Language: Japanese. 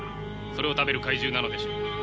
それを食べる怪獣なのでしょう。